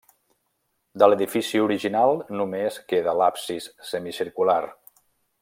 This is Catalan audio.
De l'edifici original només queda l'absis semicircular.